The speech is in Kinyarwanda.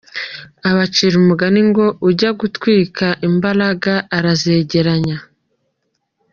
L abacira umugani ngo “ujya gutwika imbagara arazegeranya.